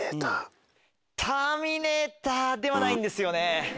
『ターミネーター』ではないんです。